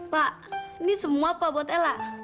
pak ini semua pak buat ella